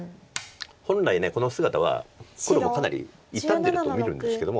本来この姿は黒もかなり傷んでると見るんですけども。